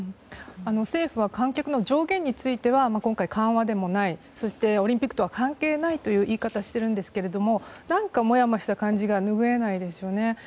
政府は観客の上限については今回、緩和でもないそしてオリンピックとは関係ないという言い方をしてるんですけれども何かもやもやした感じがぬぐえないですよね。